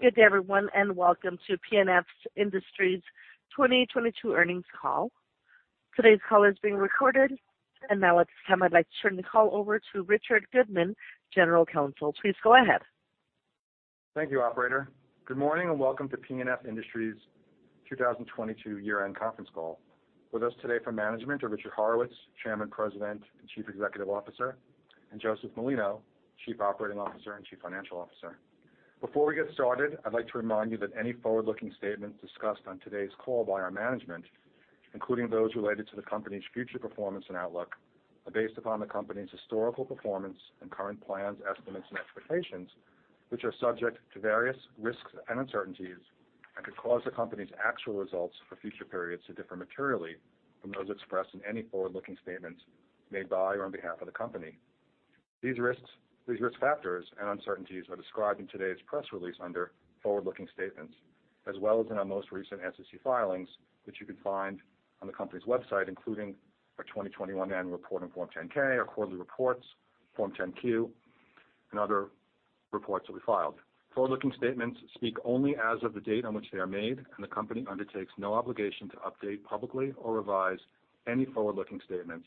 Good day everyone, and welcome to P&F Industries 2022 earnings call. Today's call is being recorded. Now at this time I'd like to turn the call over to Richard Goodman, General Counsel. Please go ahead. Thank you, operator. Good morning, and welcome to P&F Industries 2022 year-end conference call. With us today from management are Richard Horowitz, Chairman, President, and Chief Executive Officer, and Joseph Molino, Chief Operating Officer and Chief Financial Officer. Before we get started, I'd like to remind you that any forward-looking statements discussed on today's call by our management, including those related to the company's future performance and outlook, are based upon the company's historical performance and current plans, estimates, and expectations, which are subject to various risks and uncertainties that could cause the company's actual results for future periods to differ materially from those expressed in any forward-looking statements made by or on behalf of the company. These risk factors and uncertainties are described in today's press release under Forward Looking Statements, as well as in our most recent SEC filings, which you can find on the company's website, including our 2021 annual report and Form 10-K, our quarterly reports, Form 10-Q, and other reports that we filed. Forward-looking statements speak only as of the date on which they are made. The company undertakes no obligation to update publicly or revise any forward-looking statements,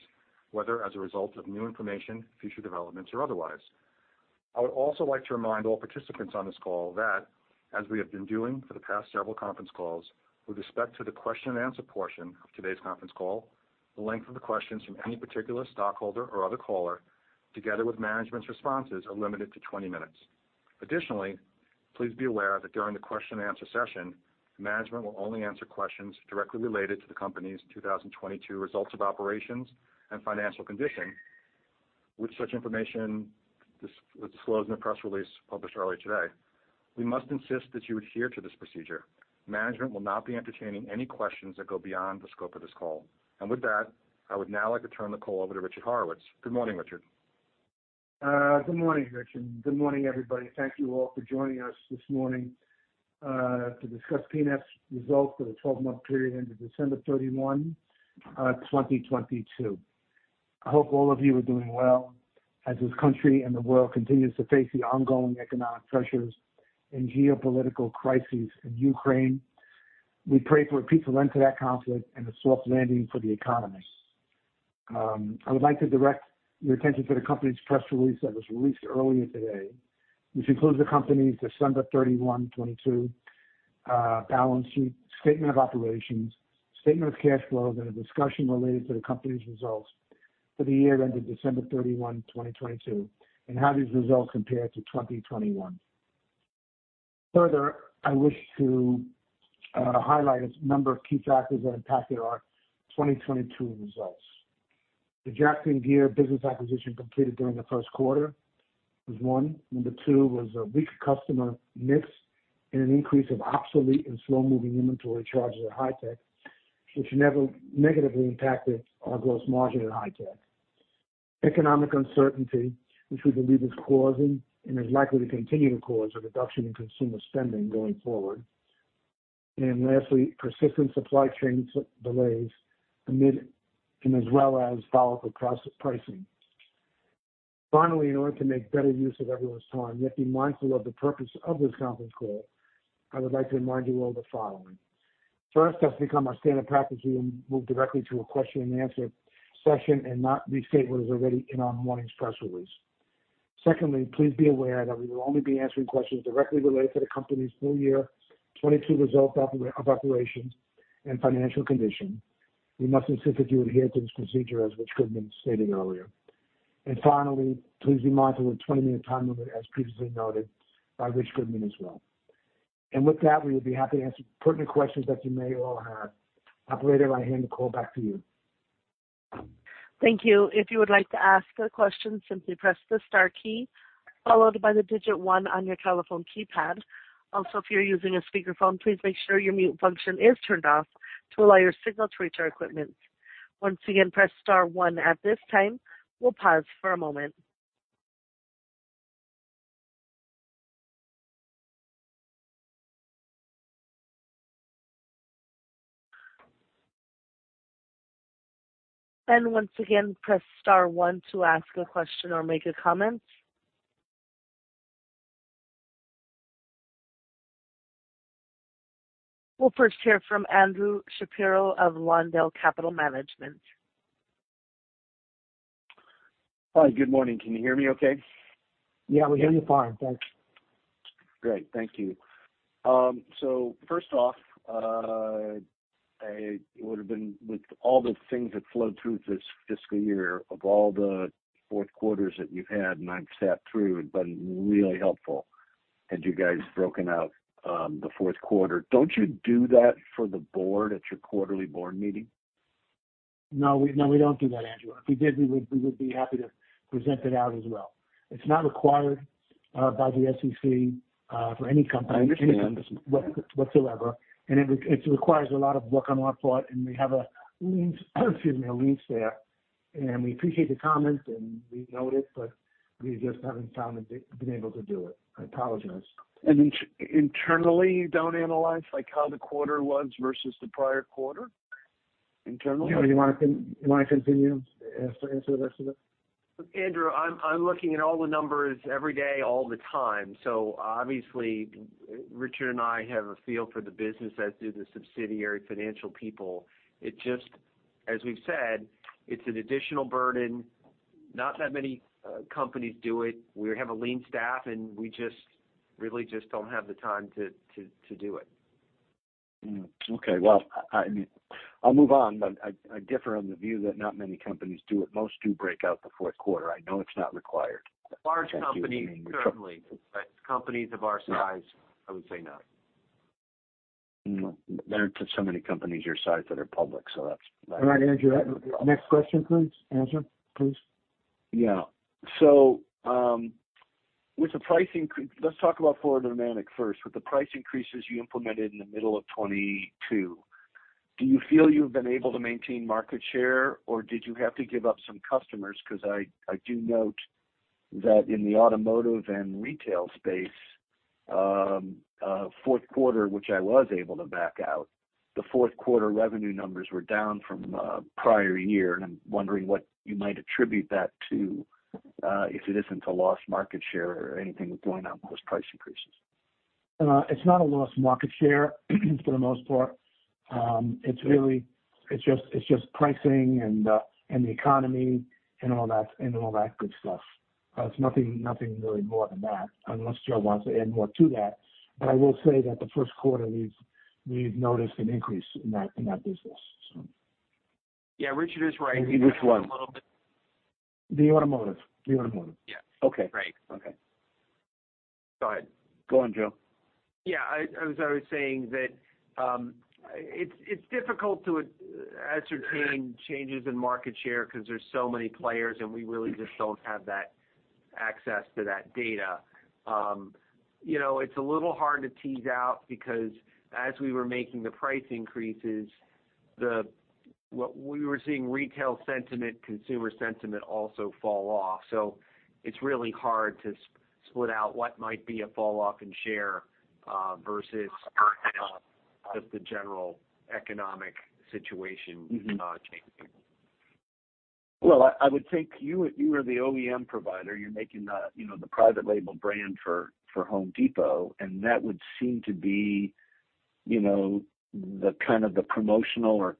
whether as a result of new information, future developments or otherwise. I would also like to remind all participants on this call that, as we have been doing for the past several conference calls, with respect to the question and answer portion of today's conference call, the length of the questions from any particular stockholder or other caller, together with management's responses, are limited to 20 minutes. Additionally, please be aware that during the question and answer session, management will only answer questions directly related to the company's 2022 results of operations and financial condition with such information disclosed in the press release published earlier today. We must insist that you adhere to this procedure. Management will not be entertaining any questions that go beyond the scope of this call. With that, I would now like to turn the call over to Richard Horowitz. Good morning, Richard. Good morning, Richard. Good morning, everybody. Thank you all for joining us this morning to discuss P&F's results for the 12-month period ended December 31, 2022. I hope all of you are doing well as this country and the world continues to face the ongoing economic pressures and geopolitical crisis in Ukraine. We pray for a peaceful end to that conflict and a soft landing for the economy. I would like to direct your attention to the company's press release that was released earlier today, which includes the company's December 31, 2022 balance sheet, statement of operations, statement of cash flows, and a discussion related to the company's results for the year ended December 31, 2022, and how these results compare to 2021. I wish to highlight a number of key factors that impacted our 2022 results. The Jackson Gear business acquisition completed during the 1st quarter was 1. Number 2 was a weak customer mix and an increase of obsolete and slow-moving inventory charges at Hy-Tech, which negatively impacted our gross margin at Hy-Tech. Economic uncertainty, which we believe is causing and is likely to continue to cause a reduction in consumer spending going forward. Lastly, persistent supply chain delays amid and as well as volatile cross pricing. Finally, in order to make better use of everyone's time, yet be mindful of the purpose of this conference call, I would like to remind you all the following. First, as become our standard practice, we will move directly to a question and answer session and not restate what is already in our morning's press release. Secondly, please be aware that we will only be answering questions directly related to the company's full year 2022 results of operations and financial condition. We must insist that you adhere to this procedure as Rich Goodman stated earlier. Finally, please be mindful of the 20-minute time limit, as previously noted by Rich Goodman as well. With that, we would be happy to answer pertinent questions that you may all have. Operator, I hand the call back to you. Thank you. If you would like to ask a question, simply press the star key followed by the digit one on your telephone keypad. Also, if you're using a speakerphone, please make sure your mute function is turned off to allow your signal to reach our equipment. Once again, press star one. At this time, we'll pause for a moment. Once again, press star one to ask a question or make a comment. We'll first hear from Andrew Shapiro of Lawndale Capital Management. Hi. Good morning. Can you hear me okay? Yeah, we hear you fine. Thanks. Great. Thank you. First off, I would have been with all the things that flowed through this fiscal year, of all the fourth quarters that you've had, and I've sat through, it'd been really helpful had you guys broken out, the fourth quarter. Don't you do that for the board at your quarterly board meeting? No, we don't do that, Andrew. If we did, we would be happy to present it out as well. It's not required by the SEC for any company- I understand. whatsoever. It requires a lot of work on our part, and we have a lean, excuse me, a lean staff. We appreciate the comment, and we note it, but we just haven't found that we've been able to do it. I apologize. Internally, you don't analyze, like, how the quarter was versus the prior quarter? You want to continue answer the rest of it? Andrew, I'm looking at all the numbers every day, all the time. Obviously, Richard and I have a feel for the business, as do the subsidiary financial people. It just, as we've said, it's an additional burden. Not that many companies do it. We have a lean staff, and we just really don't have the time to do it. Okay. I'll move on, but I differ on the view that not many companies do it. Most do break out the fourth quarter. I know it's not required. Large companies, certainly. companies of our size- Yeah. I would say no. There aren't so many companies your size that are public, that's- All right, Andrew. Next question please. Answer, please. Yeah. Let's talk about Florida Pneumatic first. With the price increases you implemented in the middle of 2022, do you feel you've been able to maintain market share, or did you have to give up some customers? Because I do note that in the automotive and retail space, fourth quarter, which I was able to back out, the fourth quarter revenue numbers were down from prior year, and I'm wondering what you might attribute that to, if it isn't a lost market share or anything going on with those price increases. It's not a lost market share for the most part. It's really, it's just pricing and the economy and all that, and all that good stuff. It's nothing really more than that, unless Joe wants to add more to that. I will say that the first quarter, we've noticed an increase in that, in that business. Yeah, Richard is right. In which one? The automotive. Yeah. Okay. Right. Okay. Go ahead. Go on, Joe. As I was saying that, it's difficult to ascertain changes in market share because there's so many players, and we really just don't have that access to that data. You know, it's a little hard to tease out because as we were making the price increases, what we were seeing retail sentiment, consumer sentiment also fall off. It's really hard to split out what might be a fall off in share versus just the general economic situation. Mm-hmm. changing. Well, I would think you are the OEM provider. You're making the, you know, the private label brand for Home Depot. That would seem to be, you know, the kind of the promotional or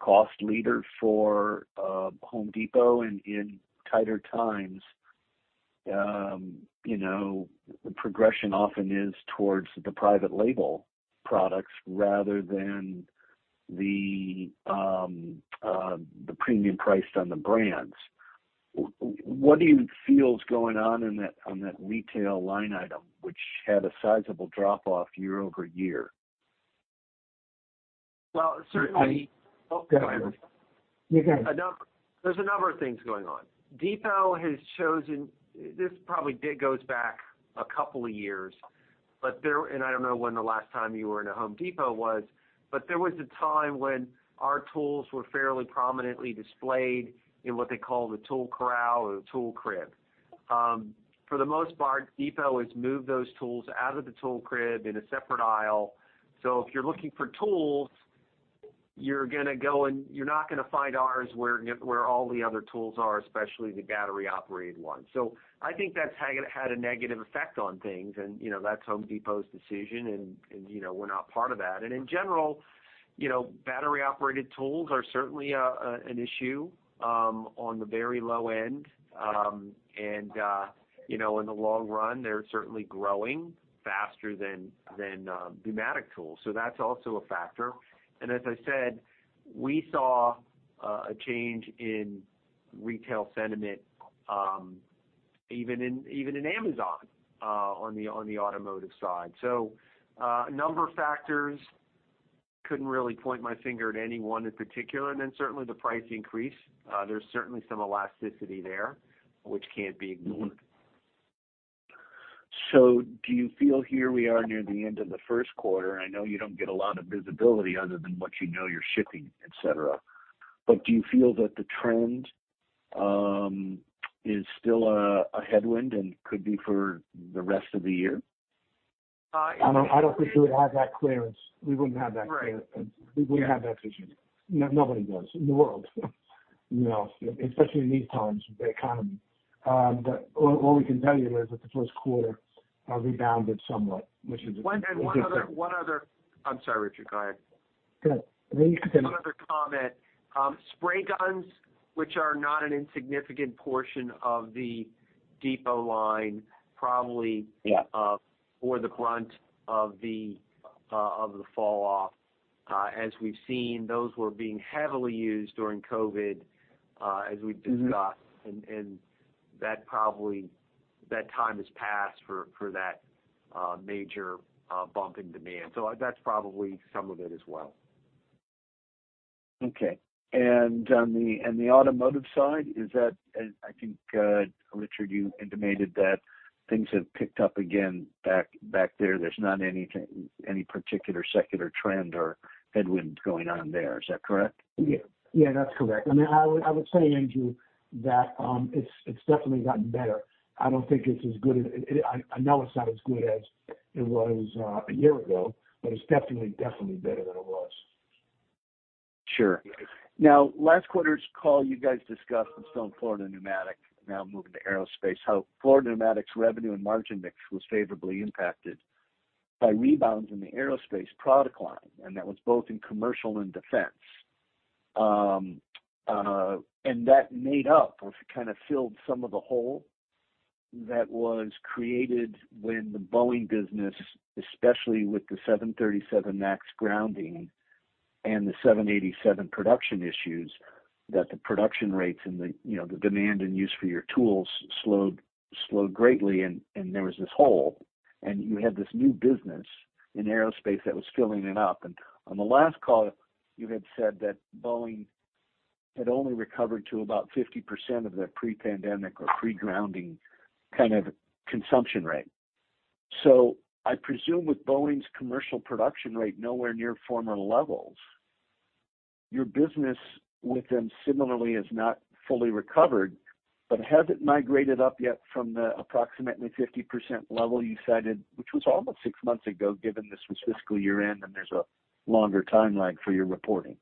cost leader for Home Depot. In tighter times, you know, the progression often is towards the private label products rather than the premium priced on the brands. What do you feel is going on in that, on that retail line item, which had a sizable drop-off year-over-year? Well. I- Oh, go ahead. You go ahead. There's a number of things going on. This probably did goes back 2 years, and I don't know when the last time you were in a Home Depot was, but there was a time when our tools were fairly prominently displayed in what they call the Tool Corral or the tool crib. For the most part, Depot has moved those tools out of the tool crib in a separate aisle. If you're looking for tools, you're gonna go, and you're not gonna find ours where all the other tools are, especially the battery-operated ones. I think that's had a negative effect on things, and, you know, that's Home Depot's decision and, you know, we're not part of that. In general, you know, battery-operated tools are certainly an issue on the very low end. You know, in the long run, they're certainly growing faster than pneumatic tools. That's also a factor. As I said, we saw a change in retail sentiment even in Amazon, on the automotive side. A number of factors. Couldn't really point my finger at any one in particular. Certainly the price increase, there's certainly some elasticity there which can't be ignored. Do you feel here we are near the end of the first quarter, I know you don't get a lot of visibility other than what you know you're shipping, et cetera. Do you feel that the trend is still a headwind and could be for the rest of the year? Uh- I don't think we would have that clearance. We wouldn't have that clearance. Right. We wouldn't have that vision. Nobody does in the world, you know, especially in these times, the economy. What we can tell you is that the first quarter rebounded somewhat. One and one other. I'm sorry, Richard, go ahead. Go ahead. You continue. One other comment. spray guns, which are not an insignificant portion of the Depot line. Yeah. Bore the brunt of the, of the falloff. As we've seen, those were being heavily used during COVID, as we've discussed. Mm-hmm. That time has passed for that, major, bump in demand. That's probably some of it as well. Okay. On the automotive side, is that, I think Richard, you intimated that things have picked up again back there. There's not anything particular secular trend or headwind going on there. Is that correct? Yeah, that's correct. I mean, I would say, Andrew, that, it's definitely gotten better. I know it's not as good as it was, a year ago, but it's definitely better than it was. Sure. Last quarter's call, you guys discussed the slow in Florida Pneumatic now moving to aerospace, how Florida Pneumatic's revenue and margin mix was favorably impacted by rebounds in the aerospace product line, and that was both in commercial and defense. That made up or kind of filled some of the hole that was created when the Boeing business, especially with the 737 MAX grounding and the 787 production issues, that the production rates and the, you know, the demand and use for your tools slowed greatly. There was this hole, and you had this new business in aerospace that was filling it up. On the last call, you had said that Boeing had only recovered to about 50% of their pre-pandemic or pre-grounding kind of consumption rate. I presume with Boeing's commercial production rate nowhere near former levels, your business with them similarly is not fully recovered. Has it migrated up yet from the approximately 50% level you cited, which was almost 6 months ago, given this was fiscal year-end and there's a longer timeline for your reporting?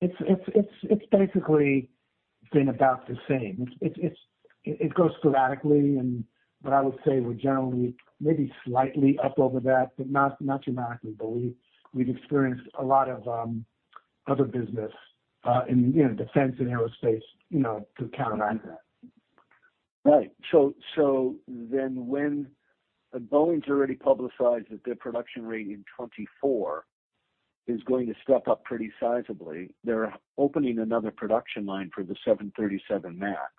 It's basically been about the same. It goes sporadically. I would say we're generally maybe slightly up over that, but not dramatically. We've experienced a lot of other business in, you know, defense and aerospace, you know, to counteract that. Right. When Boeing's already publicized that their production rate in 2024 is going to step up pretty sizably. They're opening another production line for the 737 MAX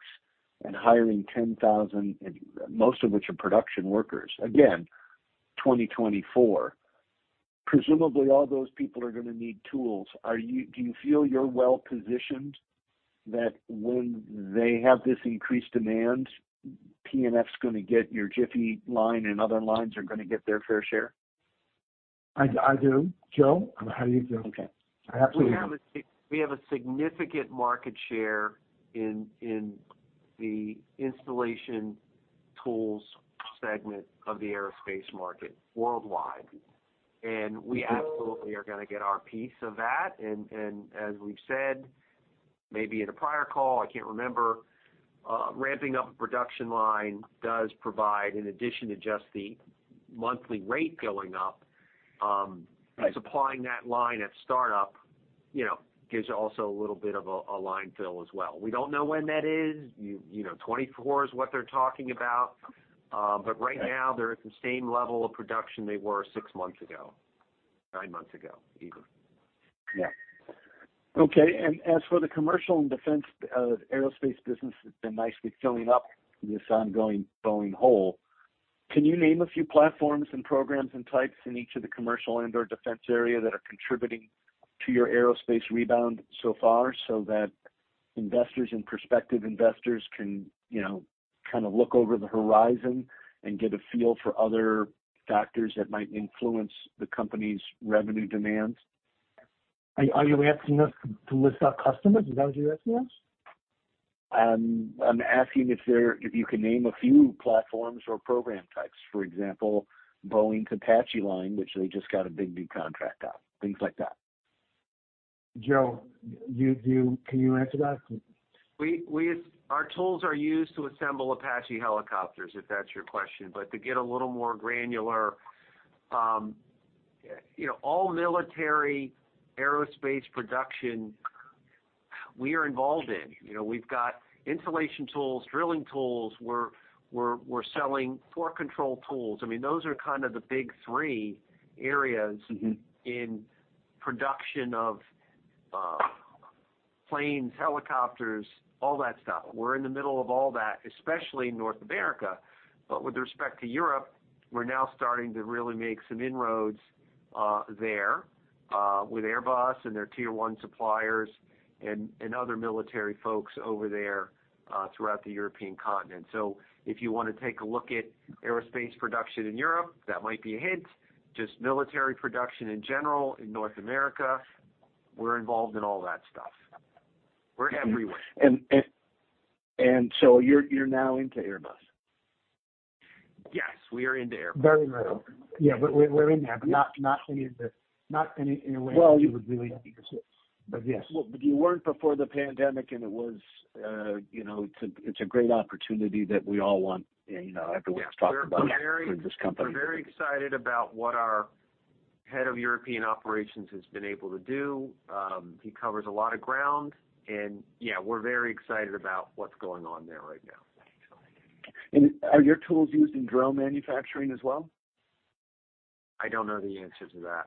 and hiring 10,000, most of which are production workers. Again, 2024, presumably all those people are gonna need tools. Do you feel you're well positioned that when they have this increased demand, P&F's gonna get your Jiffy line and other lines are gonna get their fair share? I do. Joe, how do you feel? Okay. I absolutely do. We have a significant market share in the installation tools segment of the aerospace market worldwide, and we absolutely are gonna get our piece of that. As we've said, maybe in a prior call, I can't remember, ramping up a production line does provide, in addition to just the monthly rate going up. Right supplying that line at startup, you know, gives you also a little bit of a line fill as well. We don't know when that is. You know, 2024 is what they're talking about. Right Right now they're at the same level of production they were 6 months ago, 9 months ago even. Yeah. Okay. As for the commercial and defense aerospace business that's been nicely filling up this ongoing Boeing hole, can you name a few platforms and programs and types in each of the commercial and/or defense area that are contributing to your aerospace rebound so far so that investors and prospective investors can, you know, kind of look over the horizon and get a feel for other factors that might influence the company's revenue demands? Are you asking us to list our customers? Is that what you're asking us? I'm asking if you can name a few platforms or program types, for example, Boeing's Apache line, which they just got a big new contract on, things like that. Joe, you can you answer that please? Our tools are used to assemble Apache helicopters, if that's your question. To get a little more granular, you know, all military aerospace production we are involved in. You know, we've got installation tools, drilling tools. We're selling torque control tools. I mean, those are kind of the big three areas. Mm-hmm In production of planes, helicopters, all that stuff. We're in the middle of all that, especially in North America. With respect to Europe, we're now starting to really make some inroads there with Airbus and their tier one suppliers and other military folks over there throughout the European continent. If you wanna take a look at aerospace production in Europe, that might be a hint. Just military production in general in North America, we're involved in all that stuff. We're everywhere. You're now into Airbus? Yes, we are into Airbus. Very little. Yeah, we're in there, but not any, in a way that you would really notice it. Yes. You weren't before the pandemic, and it was, you know, it's a, it's a great opportunity that we all want, you know, everyone's talked about for this company. We're very excited about what our head of European operations has been able to do. He covers a lot of ground and yeah, we're very excited about what's going on there right now. Are your tools used in drone manufacturing as well? I don't know the answer to that.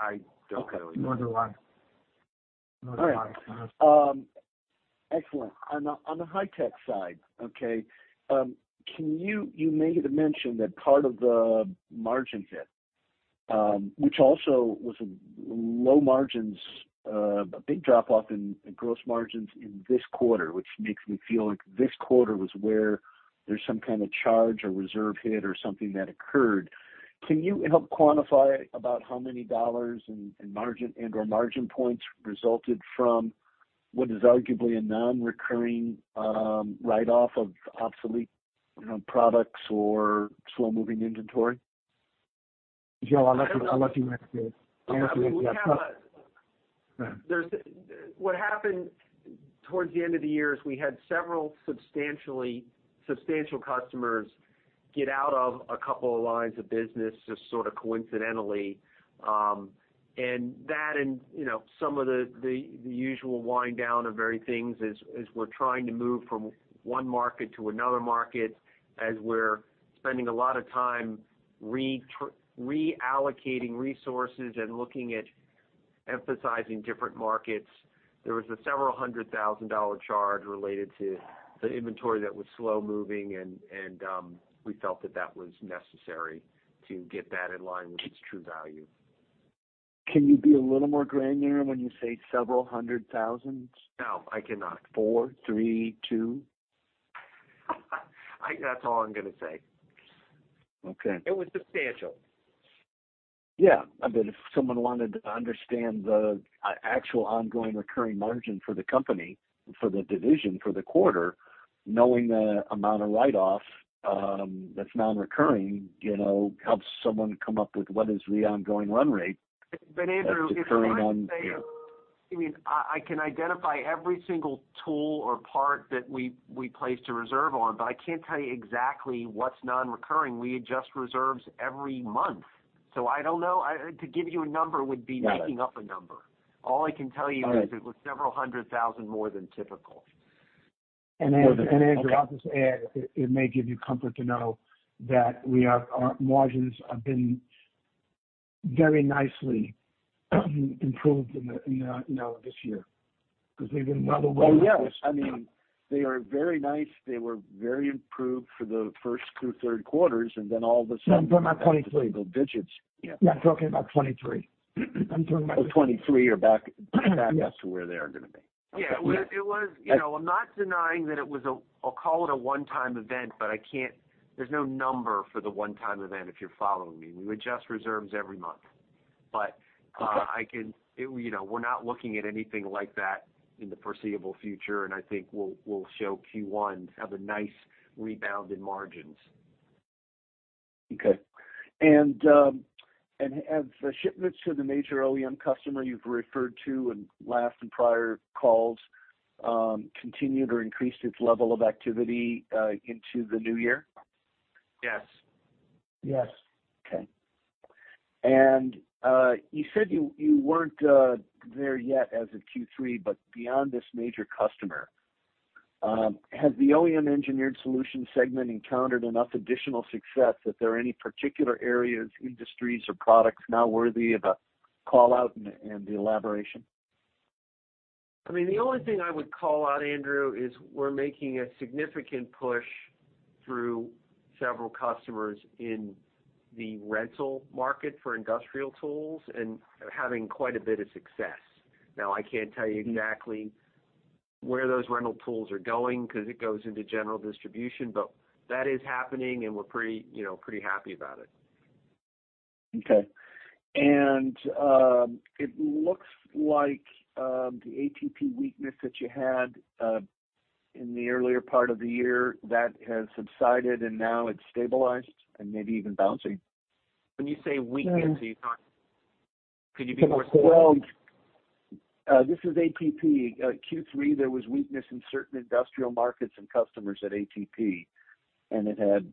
I don't know. Neither do I. Neither do I. All right. Excellent. On the Hy-Tech side, You made a mention that part of the margin hit, which also was low margins, a big drop off in gross margins in this quarter, which makes me feel like this quarter was where there's some kind of charge or reserve hit or something that occurred. Can you help quantify about how many dollars and margin and or margin points resulted from what is arguably a nonrecurring write-off of obsolete, you know, products or slow-moving inventory? Joe, I'll let you answer. What happened towards the end of the year is we had several substantial customers get out of a couple of lines of business just sort of coincidentally. That and, you know, some of the usual wind down of very things as we're trying to move from one market to another market, as we're spending a lot of time reallocating resources and looking at emphasizing different markets. There was a $ several hundred thousand charge related to the inventory that was slow-moving and we felt that that was necessary to get that in line with its true value. Can you be a little more granular when you say several hundred thousand? No, I cannot. Four, three, two? That's all I'm gonna say. Okay. It was substantial. Yeah. I mean, if someone wanted to understand the actual ongoing recurring margin for the company, for the division, for the quarter, knowing the amount of write-off, that's nonrecurring, you know, helps someone come up with what is the ongoing run rate that's recurring. Andrew, it's hard to say. I mean, I can identify every single tool or part that we placed a reserve on, but I can't tell you exactly what's nonrecurring. We adjust reserves every month. I don't know. To give you a number would be making up a number. All I can tell you is it was $ several hundred thousand more than typical. Andrew, I'll just add, it may give you comfort to know that our margins have been very nicely improved in the, in, you know, this year because they've been well aware of this. Oh, yeah. I mean, they are very nice. They were very improved for the first 2, third quarters, and then all of a sudden digits. Yeah, I'm talking about 23. Oh, 23 are back as to where they are gonna be. Okay. Yeah. It was, you know, I'm not denying that it was a, I'll call it a one-time event, but I can't. There's no number for the one-time event, if you're following me. We adjust reserves every month. I can, you know, we're not looking at anything like that in the foreseeable future, and I think we'll show Q1 have a nice rebound in margins. Okay. Have the shipments to the major OEM customer you've referred to in last and prior calls, continued or increased its level of activity, into the new year? Yes. Yes. Okay. You said you weren't there yet as of Q3, but beyond this major customer, has the OEM engineered solution segment encountered enough additional success that there are any particular areas, industries, or products now worthy of a call-out and elaboration? I mean, the only thing I would call out, Andrew, is we're making a significant push through several customers in the rental market for industrial tools and are having quite a bit of success. Now, I can't tell you exactly where those rental tools are going because it goes into general distribution, but that is happening, and we're pretty, you know, pretty happy about it. Okay. It looks like, the ATP weakness that you had, in the earlier part of the year, that has subsided and now it's stabilized and maybe even bouncing. When you say weakness, could you be more specific? Well, this is ATP. Q3, there was weakness in certain industrial markets and customers at ATP, and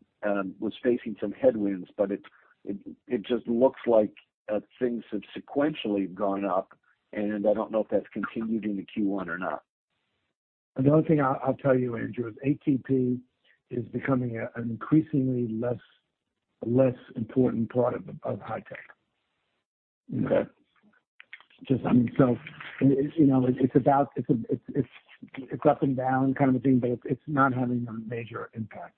was facing some headwinds, but it just looks like things have sequentially gone up, and I don't know if that's continued into Q1 or not. The only thing I'll tell you, Andrew, is ATP is becoming an increasingly less important part of Hy-Tech. Okay. Just, I mean, so, you know, it's about, it's up and down kind of a thing, but it's not having a major impact.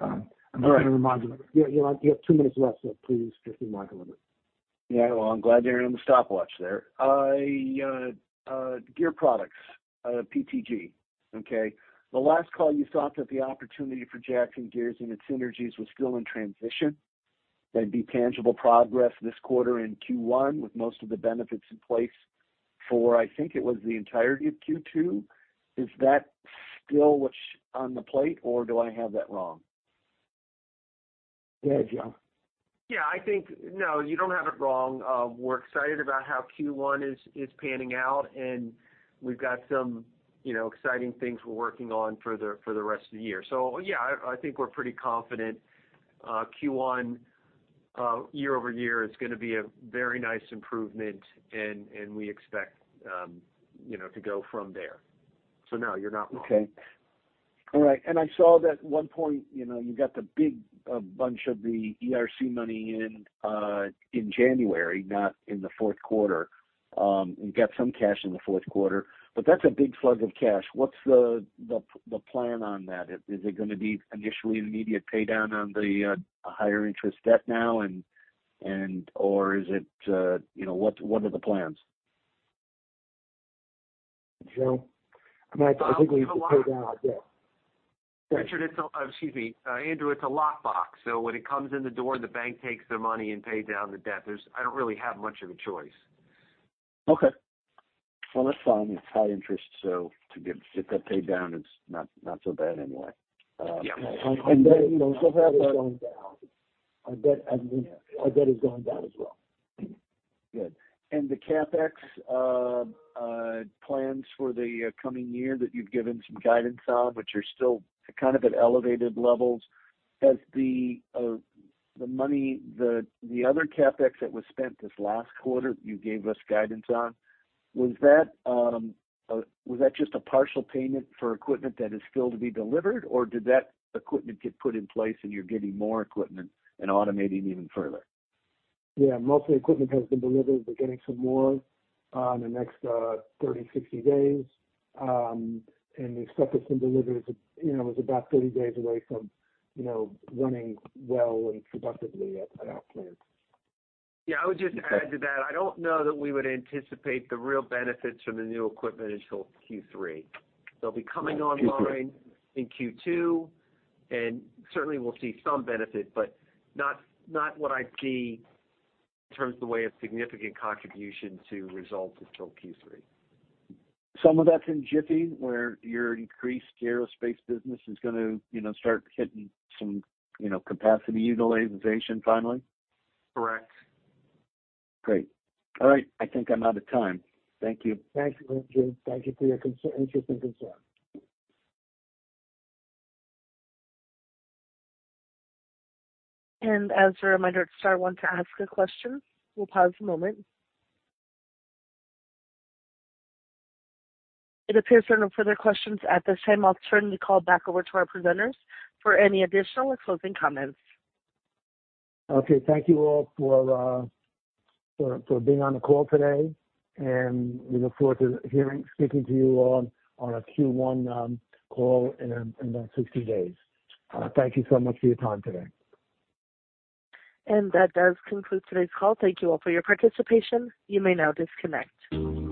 I'm just gonna remind you. You have two minutes left, so please just remind a little bit. Well, I'm glad you're on the stopwatch there. I, gear products, PTG, okay? The last call, you thought that the opportunity for Jackson Gearand its synergies was still in transition. There'd be tangible progress this quarter in Q1 with most of the benefits in place for, I think it was the entirety of Q2. Is that still what's on the plate, or do I have that wrong? Go ahead, Joe. No, you don't have it wrong. We're excited about how Q1 is panning out, and we've got some, you know, exciting things we're working on for the rest of the year. I think we're pretty confident Q1 year-over-year is gonna be a very nice improvement and we expect, you know, to go from there. No, you're not wrong. Okay. All right. I saw that at one point, you know, you got the big bunch of the ERC money in January, not in the fourth quarter, and got some cash in the fourth quarter. That's a big flood of cash. What's the plan on that? Is it gonna be initially an immediate pay down on the higher interest debt now and or is it, you know, what are the plans? You know? I think we need to pay down our debt. Richard, excuse me. Andrew, it's a lockbox. When it comes in the door, the bank takes their money and pays down the debt. I don't really have much of a choice. Okay. Well, that's fine. It's high interest. To get that paid down, it's not so bad anyway. Yeah. And then, you know, so have our- Our debt, I mean, our debt has gone down as well. Good. The CapEx plans for the coming year that you've given some guidance on, which are still kind of at elevated levels? Has the money, the other CapEx that was spent this last quarter, you gave us guidance on, was that just a partial payment for equipment that is still to be delivered? Or did that equipment get put in place and you're getting more equipment and automating even further? Yeah, most of the equipment has been delivered. We're getting some more, in the next, 30, 60 days. The stuff that's been delivered is, you know, is about 30 days away from, you know, running well and productively at our plant. Yeah. I would just add to that, I don't know that we would anticipate the real benefits from the new equipment until Q3. They'll be coming online in Q2, certainly we'll see some benefit, but not what I'd see in terms of the way of significant contribution to results until Q3. Some of that's in Jiffy, where your increased aerospace business is gonna, you know, start hitting some, you know, capacity utilization finally? Correct. Great. All right. I think I'm out of time. Thank you. Thanks, Richard. Thank you for your interest and concern. As a reminder, to start one to ask a question, we'll pause a moment. It appears there are no further questions at this time. I'll turn the call back over to our presenters for any additional or closing comments. Okay. Thank you all for being on the call today, and we look forward to speaking to you all on our Q1 call in about 60 days. Thank you so much for your time today. That does conclude today's call. Thank you all for your participation. You may now disconnect.